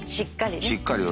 しっかりね。